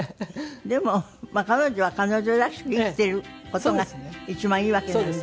でもまあ彼女は彼女らしく生きている事が一番いいわけなんで。